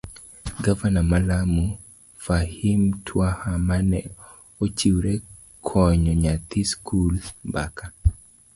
gavana ma Lamu, Fahim Twaha mane ochiwre konyo nyathi sikul. mbaka